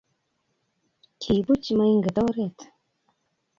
Kiibutch moinget oret